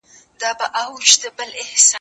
ما پرون د سبا لپاره د نوي لغتونو يادونه وکړه!